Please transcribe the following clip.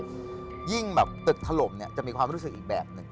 จึงตึกถล่มจะมีความรู้สึกอีกแบบหนึ่ง